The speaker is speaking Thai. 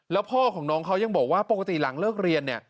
แล้วพ่อของน้องเขายังบอกว่าปกติหลังเลิกเรียนเนี่ย